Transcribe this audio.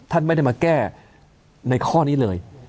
ท่านไม่ได้มาแก้ในข้อนี้เลย